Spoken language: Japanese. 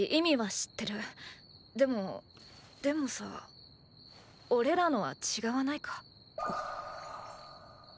でもでもさおれらのは違わないか？